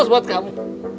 seratus buat kamu